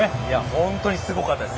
本当にすごかったです。